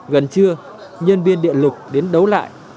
gần trưa nhân viên điện lực đến đấu lại